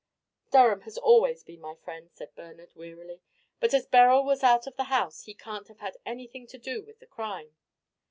"Durham has always been my friend," said Bernard, wearily. "But as Beryl was out of the house he can't have anything to do with the crime."